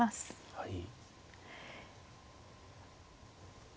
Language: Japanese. はい。